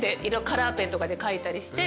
カラーペンとかで書いたりして。